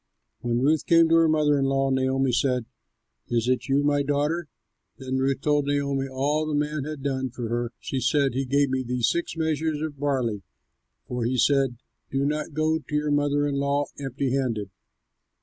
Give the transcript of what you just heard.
When Ruth came to her mother in law, Naomi said, "Is it you, my daughter?" Then Ruth told Naomi all that the man had done for her. She said, "He gave me these six measures of barley; for he said, 'Do not go to your mother in law empty handed.'"